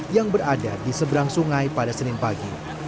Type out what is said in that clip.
yang berada di seberang sungai pada senin pagi